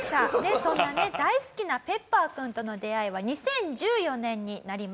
そんなね大好きなペッパーくんとの出会いは２０１４年になります。